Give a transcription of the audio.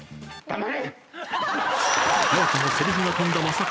黙れ！